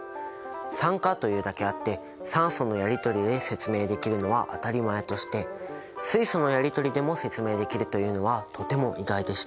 「酸化」というだけあって酸素のやりとりで説明できるのは当たり前として水素のやりとりでも説明できるというのはとても意外でした。